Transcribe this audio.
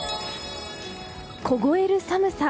凍える寒さ。